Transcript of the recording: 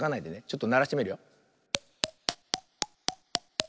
ちょっとならしてみるよ。